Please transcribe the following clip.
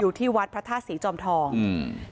อยู่ที่วัดพระธาตุศรีจอมทองอืม